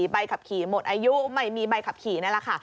ใบขับขี่หมดอายุไม่มีใบขับขี่นั่นแหละค่ะ